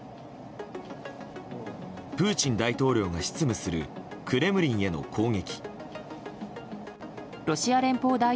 プーチン大統領が執務するクレムリンへの攻撃。